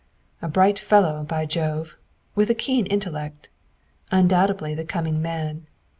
"A bright fellow, by Jove! with a keen intellect. Undoubtedly the coming man.